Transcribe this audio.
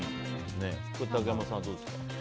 竹山さんはどうですか？